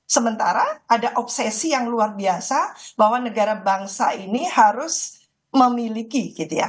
sementara ada obsesi yang luar biasa bahwa negara bangsa ini harus memiliki gitu ya